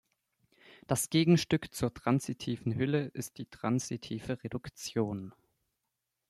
Das Gegenstück zur transitiven Hülle ist die transitive Reduktion.